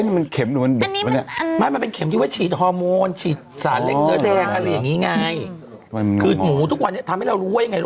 มันเข็มนึงมันดึกหรือไง